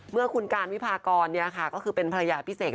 เมื่อคุณการวิภากรเนี่ยค่ะก็คือเป็นภรรยาพิเศษ